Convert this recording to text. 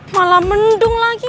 malah mendung lagi